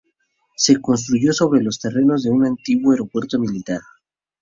Se construyó sobre los terrenos de un antiguo aeropuerto militar.